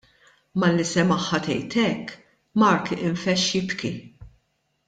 Malli semagħha tgħid hekk, Mark infexx jibki.